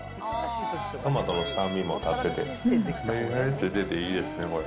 トマトの酸味も立ってて、めりはり効いてていいですね、これ。